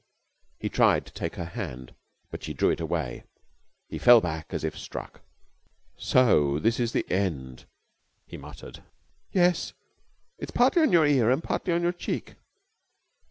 He tried to take her hand. But she drew it away. He fell back as if struck. "So this is the end," he muttered. "Yes. It's partly on your ear and partly on your cheek."